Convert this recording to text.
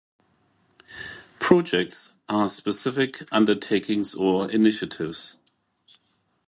"Projects" are specific undertakings or initiatives.